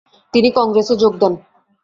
তিনি কংগ্রেসে যোগ দেন।